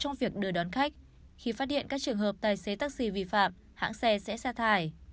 trong việc đưa đón khách khi phát hiện các trường hợp tài xế taxi vi phạm hãng xe sẽ xa thải